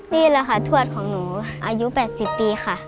นี่แหละค่ะทวดของหนูอายุ๘๐ปีค่ะ